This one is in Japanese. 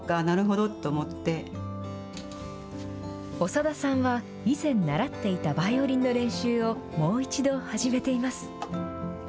長田さんは、以前習っていたバイオリンの練習を、もう一度始めています。